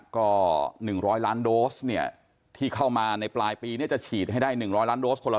ก็๑๐๐ล้านโดสเนี่ยที่เข้ามาในปลายปีนี้จะฉีดให้ได้๑๐๐ล้านโดสคนละ